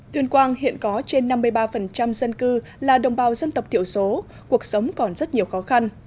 tuyên quang hiện có trên năm mươi ba dân cư là đồng bào dân tộc thiểu số cuộc sống còn rất nhiều khó khăn